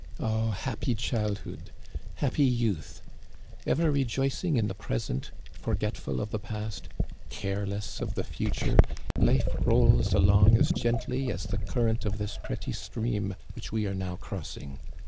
Oh, happy childhood, happy youth ! Ever rejoicing in the present, forgetful of the past, care less of the future, life rolls along as gently as the current of this pretty stream which we are now crossing.